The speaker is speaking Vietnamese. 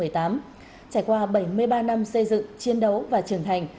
trải qua bảy mươi ba năm xây dựng chiến đấu và trưởng thành